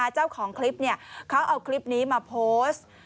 เจ้าของคลิปเขาเอาคลิปนี้มาโพสต์